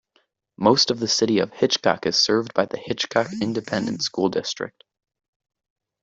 Most of the city of Hitchcock is served by the Hitchcock Independent School District.